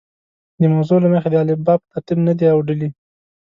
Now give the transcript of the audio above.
د موضوع له مخې د الفبا په ترتیب نه دي اوډلي.